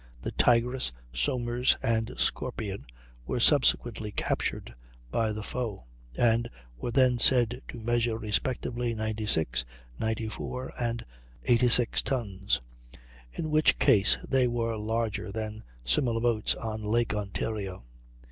The Tigress, Somers, and Scorpion were subsequently captured by the foe and were then said to measure, respectively, 96, 94, and 86 tons; in which case they were larger than similar boats on Lake Ontario.